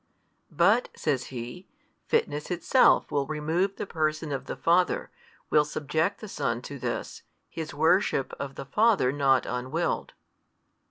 "But (says he) fitness itself will remove the Person of the Father, will subject the Son to this, His worship of the Father not unwilled."